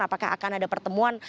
apakah akan ada pertemuan